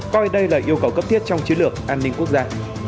coi đây là yêu cầu cấp thiết trong chiến lược an ninh quốc gia